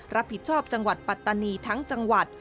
รับผิดชอบจังหวัดปัตตานีทั้งจังหวัด